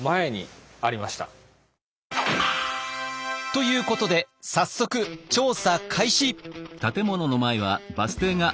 ということで早速調査開始！